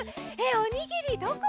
おにぎりどこかな？